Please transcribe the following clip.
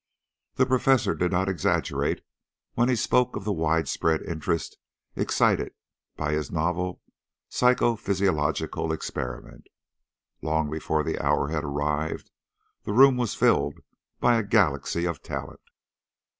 The Professor did not exaggerate when he spoke of the widespread interest excited by his novel psychophysiological experiment. Long before the hour had arrived the room was filled by a galaxy of talent.